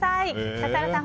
笠原さん